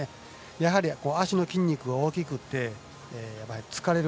やはり足の筋肉が大きくて疲れる。